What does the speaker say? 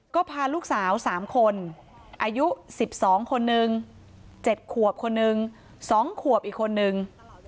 ก็พาลูกสาว๓คนอายุ๑๒คนนึง๗ขวบคนนึง๒ขวบอีกคนนึง